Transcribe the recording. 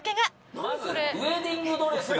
まず、ウェディングドレスが。